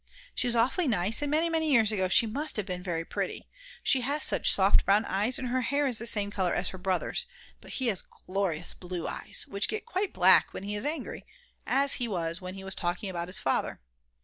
She is awfully nice, and many, many years ago she must have been very pretty; she has such soft brown eyes, and her hair is the same colour as her brother's; but he has glorious blue eyes, which get quite black when he is angry, as he was when he was talking about his father.